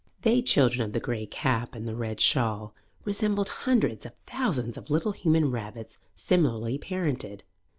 They, children of the grey cap and the red shawl, resembled hundreds of thousands of little human rabbits similarly parented.